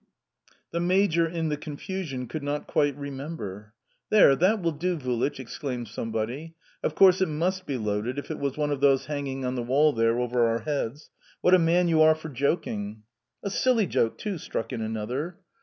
The major, in the confusion, could not quite remember. "There, that will do, Vulich!" exclaimed somebody. "Of course it must be loaded, if it was one of those hanging on the wall there over our heads. What a man you are for joking!" "A silly joke, too!" struck in another.